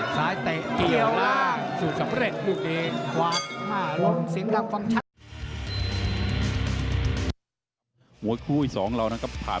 ซ้ายเตะเกี่ยวล่างสู้สำเร็จลูกเอง